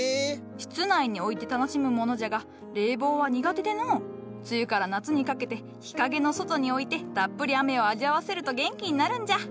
室内に置いて楽しむものじゃが冷房は苦手でのう梅雨から夏にかけて日陰の外に置いてたっぷり雨を味わわせると元気になるんじゃ。